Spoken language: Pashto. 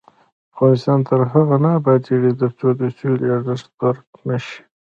افغانستان تر هغو نه ابادیږي، ترڅو د سولې ارزښت درک نشي.